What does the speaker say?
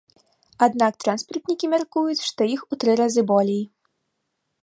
Аднак транспартнікі мяркуюць, што іх у тры разы болей.